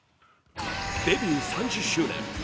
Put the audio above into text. デビュー３０周年！